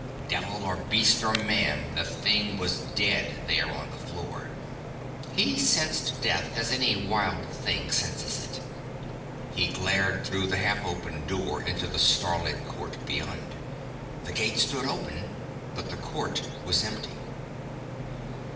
Devil or beast or man, the thing was dead there on the floor. He sensed death as any wild thing senses it. He glared through the half open door into the starlit court beyond. The gate stood open, but the court was empty.